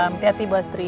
hati hati bu astri